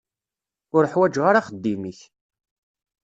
Ur ḥwaǧeɣ ara axeddim-ik.